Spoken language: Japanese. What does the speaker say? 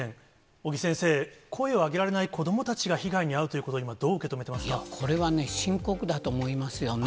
尾木先生、声を上げられない子どもたちが被害に遭うということには、いや、これはね、深刻だと思いますよね。